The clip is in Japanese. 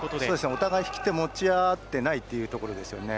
お互い、引き手を持ち合ってないということですね。